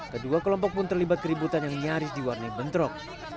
kedua kelompok pun terlibat keributan yang nyaris diwarnai bentrok